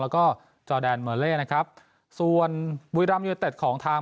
แล้วก็จอดแดนเมอร์เลนะครับส่วนวีรัมย์อย่างเต็ดของทาง